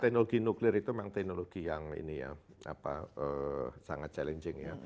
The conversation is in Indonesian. teknologi nuklir itu memang teknologi yang ini ya sangat challenging ya